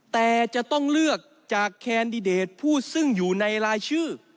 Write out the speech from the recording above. แต่จะต้องเลือกจากแคนดิเดตผู้ซึ่งอยู่ในรายชื่อ